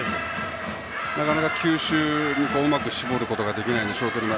なかなか球種うまく絞ることができないんでしょうけども